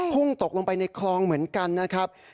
พุ่งตกลงไปในคลองเหมือนกันนะครับ